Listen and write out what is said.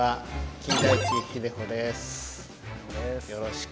金田一秀穂です。